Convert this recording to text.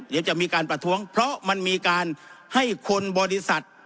เดี๋ยวจะมีการประท้วงเพราะมันมีการให้คนบริษัท